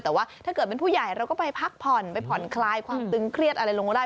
แต่ว่าถ้าเกิดเป็นผู้ใหญ่เราก็ไปพักผ่อนไปผ่อนคลายความตึงเครียดอะไรลงก็ได้